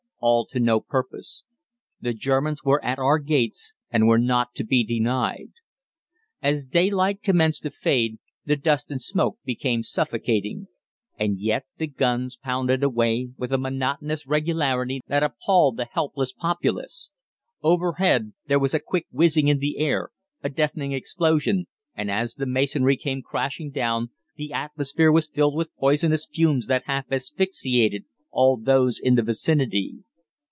all to no purpose. The Germans were at our gates, and were not to be denied. As daylight commenced to fade the dust and smoke became suffocating. And yet the guns pounded away with a monotonous regularity that appalled the helpless populace. Overhead there was a quick whizzing in the air, a deafening explosion, and as the masonry came crashing down the atmosphere was filled with poisonous fumes that half asphyxiated all those in the vicinity.